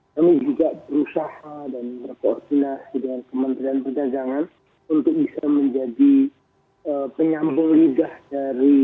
kami juga berusaha dan berkoordinasi dengan kementerian perdagangan untuk bisa menjadi penyambung lidah dari